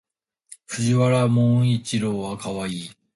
藤原丈一郎はかわいい